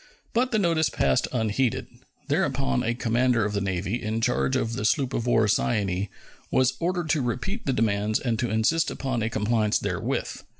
But the notice passed unheeded. Thereupon a commander of the Navy, in charge of the sloop of war Cyane, was ordered to repeat the demands and to insist upon a compliance therewith.